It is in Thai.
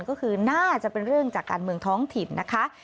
ก็คือน่าจะเป็นเรื่องจากการเมืองท้องถิ่นนะคะ